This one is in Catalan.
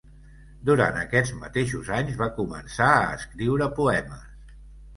Durant aquests mateixos anys va començar a escriure poemes.